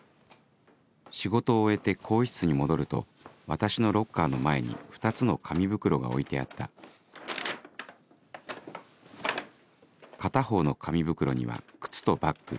仕事を終えて更衣室に戻ると私のロッカーの前に２つの紙袋が置いてあった片方の紙袋には靴とバッグ